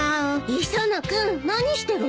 磯野君何してるの？